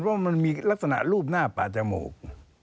เพราะมันมีลักษณะรูปหน้าป่าจมูก